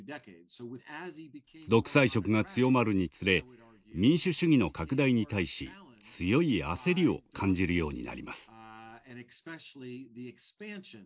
独裁色が強まるにつれ民主主義の拡大に対し強い焦りを感じるようになります。